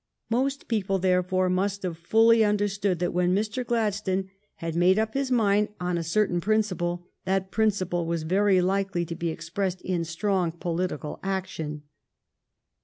Most people, therefore, must have fully understood that when Mr. Gladstone had made up his mind on a certain principle, that principle was very likely to be expressed in strong political action.